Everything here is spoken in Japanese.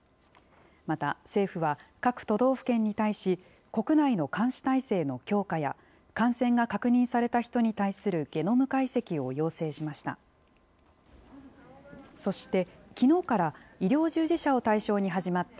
また、政府は各都道府県に対し、国内の監視体制の強化や、感染が確認された人に対するゲノム解析を要請しました。